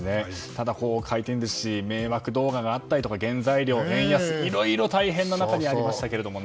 ただ、回転寿司は迷惑動画があったり原材料、円安いろいろ大変な中にありましたけどね。